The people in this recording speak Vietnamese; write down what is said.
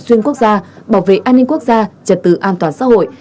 xuyên quốc gia bảo vệ an ninh quốc gia trật tự an toàn xã hội